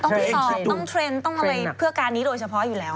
สอบต้องเทรนด์ต้องอะไรเพื่อการนี้โดยเฉพาะอยู่แล้ว